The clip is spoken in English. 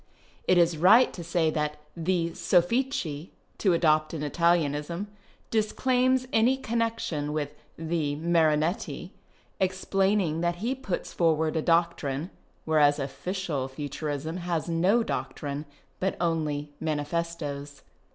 It is right to say that " the " Soffici (to adopt an Italianism) disclaims any connexion with " the " Marinetti, explaining that he puts forward a doctrine, whereas oflieial Futurism has no doctrine, but only mani festos.